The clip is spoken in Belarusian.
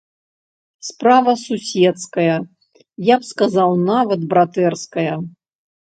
Справа суседская, я б сказаў, нават братэрская.